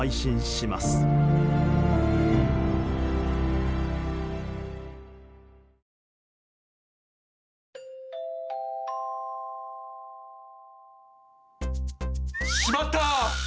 しまった！